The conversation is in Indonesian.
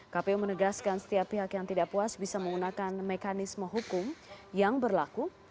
kpu menegaskan setiap pihak yang tidak puas bisa menggunakan mekanisme hukum yang berlaku